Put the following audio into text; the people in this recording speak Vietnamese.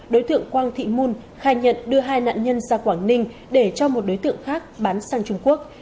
đối tượng quang thị mon khai nhận đưa hai nạn nhân ra quảng ninh để cho một đối tượng khác bán sang trung quốc